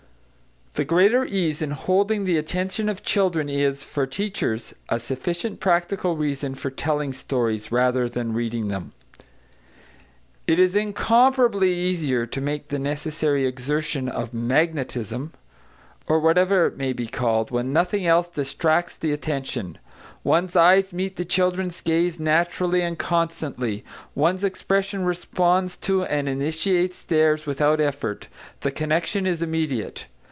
The greater ease in holding the attention of children is, for teachers, a sufficient practical reason for telling stories rather than reading them. It is incomparably easier to make the necessary exertion of "magnetism," or whatever it may be called, when nothing else distracts the attention. One's eyes meet the children's gaze naturally and constantly; one's expression responds to and initiates theirs without effort; the connection is immediate.